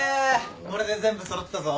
これで全部揃ったぞ。